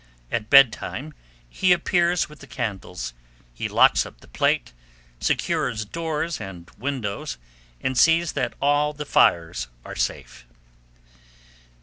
At bedtime he appears with the candles; he locks up the plate, secures doors and windows, and sees that all the fires are safe.